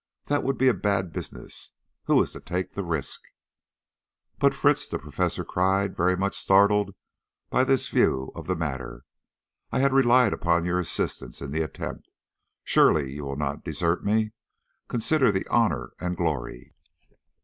That would be a bad business. Who is to take the risk?" "But, Fritz," the Professor cried, very much startled by this view of the matter, "I had relied upon your assistance in the attempt. Surely you will not desert me. Consider the honour and glory."